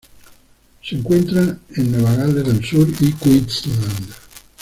Se encuentra en Nueva Gales del Sur y Queensland.